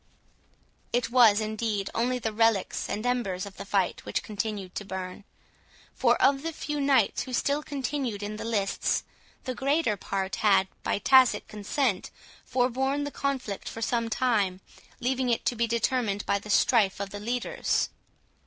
It was, indeed, only the relics and embers of the fight which continued to burn; for of the few knights who still continued in the lists, the greater part had, by tacit consent, forborne the conflict for some time, leaving it to be determined by the strife of the leaders.